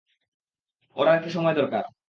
ওর আরেকটু সময় দরকার।